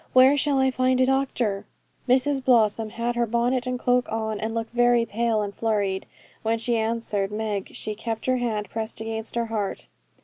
Where shall I find a doctor?' Mrs Blossom had her bonnet and cloak on, and looked very pale and flurried. When she answered Meg she kept her hand pressed against her heart.